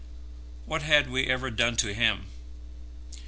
What had we ever done to him?